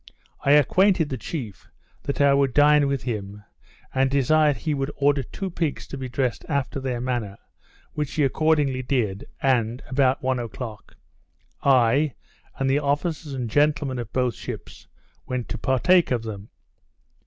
I acquainted the chief, that I would dine with him, and desired he would order two pigs to be dressed after their manner, which he accordingly did, and, about one o'clock, I, and the officers and gentlemen of both ships, went to partake of them.